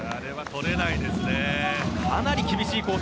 かなり厳しいコース